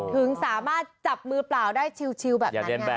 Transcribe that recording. ถึงสามารถจับมือเปล่าได้ชิวแบบ